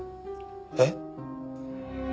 えっ？